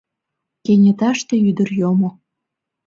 Кенеташте ӱдыр йомо